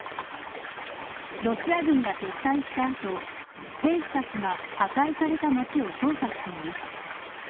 ロシア軍が撤退した後兵士たちが破壊された町を調査しています。